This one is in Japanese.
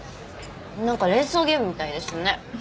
なんか連想ゲームみたいですね。